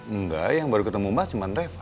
enggak yang baru ketemu mas cuman reva